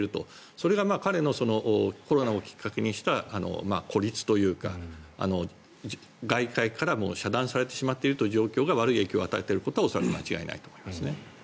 それが彼のコロナをきっかけにした孤立というか外界からも遮断されてしまっているということが悪い影響を与えていることは恐らく間違いないと思います。